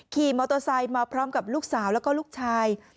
ขี่มอเตอร์ไซค์มาพร้อมกับลูกสาวแล้วก็ลูกชาย